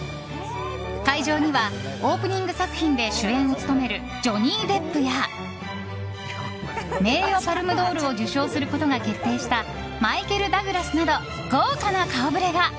会場にはオープニング作品で主演を務めるジョニー・デップや名誉パルム・ドールを受賞することが決定したマイケル・ダグラスなど豪華な顔ぶれが。